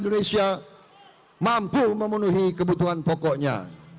indonesia mampu memenuhi kebutuhan pokoknya